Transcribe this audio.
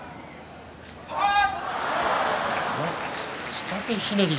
下手ひねり。